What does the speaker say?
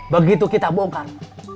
begitu kita bongkar